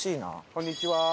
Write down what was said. こんにちは。